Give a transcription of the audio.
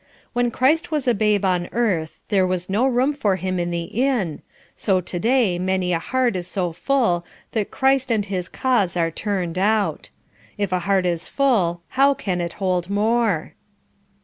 When Christ was a babe on earth there was no room for him in the inn, so to day many a heart is so full that Christ and his cause are turned out. If a heart is full how can it hold more?